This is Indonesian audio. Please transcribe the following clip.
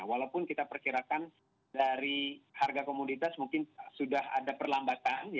walaupun kita perkirakan dari harga komunitas mungkin sudah ada perlambatan